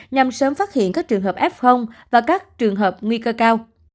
nhằm sớm phát hiện các trường hợp f và các trường hợp nguy cơ cao